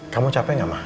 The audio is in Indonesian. kamu capek gak ma